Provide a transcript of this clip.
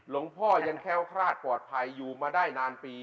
พ่อยังแค้วคลาดปลอดภัยอยู่มาได้นานปี